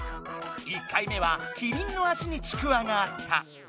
１回目はキリンの足にちくわがあった。